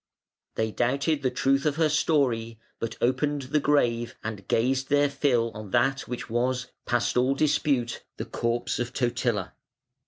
They doubted the truth of her story, but opened the grave and gazed their fill on that which was, past all dispute, the corpse of Totila.